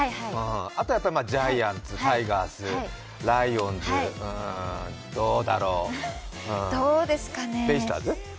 あとやっぱりジャイアンツ、タイガース、ライオンズ、どうだろうベイスターズ？